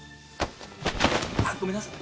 あっごめんなさい。